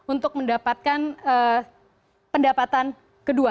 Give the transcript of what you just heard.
untuk mendapatkan pendapatan kedua